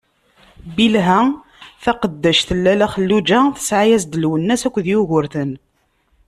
Bilha, taqeddact n Lalla Xelluǧa tesɛa-as-d: Lwennas akked Yugurten.